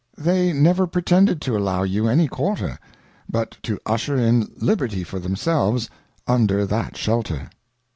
They ^ never pretended_to allow you any Quarter, but to usher in Liberty for themselves under that shelter.